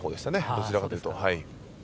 どちらかというと。